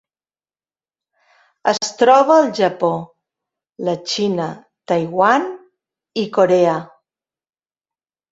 Es troba al Japó, la Xina, Taiwan i Corea.